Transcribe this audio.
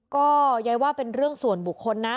ก็ยายว่าเป็นเรื่องส่วนบุคคลนะ